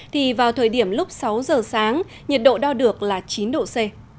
thì vào thời điểm lúc sáu giờ sáng nhiệt độ đo được là chín độ c